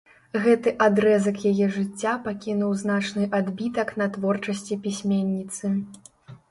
Гэты адрэзак яе жыцця пакінуў значны адбітак на творчасці пісьменніцы.